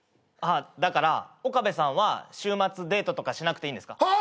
あっだから岡部さんは週末デートとかしなくていいんですか？